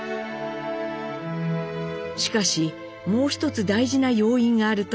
しかしもう１つ大事な要因があると